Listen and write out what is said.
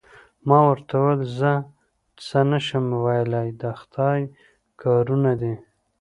ما ورته وویل: زه څه نه شم ویلای، د خدای کارونه دي.